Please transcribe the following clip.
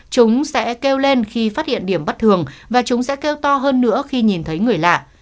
chúng sẽ kêu lên khi phát hiện điểm bất thường và chúng sẽ kêu to hơn nữa khi nhìn thấy người lạ